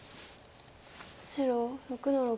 白６の六。